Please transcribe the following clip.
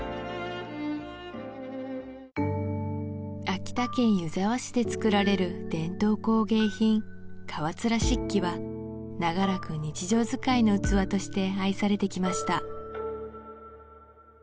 秋田県湯沢市で作られる伝統工芸品川連漆器は長らく日常使いの器として愛されてきました